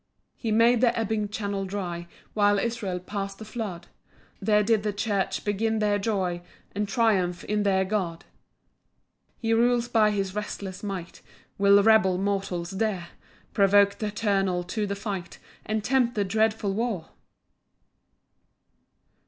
4 He made the ebbing channel dry, While Israel pass'd the flood; There did the church begin their joy, And triumph in their God.] 5 He rules by his resistless might: Will rebel mortals dare Provoke th' Eternal to the fight, And tempt that dreadful war?